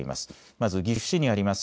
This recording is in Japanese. まず岐阜市にあります